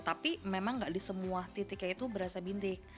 tapi memang gak di semua titiknya itu berasa bintik